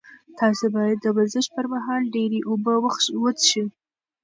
تاسي باید د ورزش پر مهال ډېرې اوبه وڅښئ.